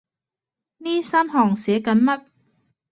呢三行寫緊乜？